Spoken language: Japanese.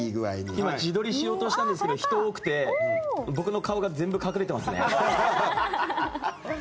今、自撮りしようとしたんですけど人が多くて僕の顔が全部隠れていますね。